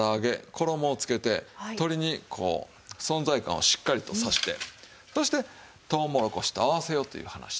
衣をつけて鶏にこう存在感をしっかりとさせてそしてとうもろこしと合わせようという話ですわ。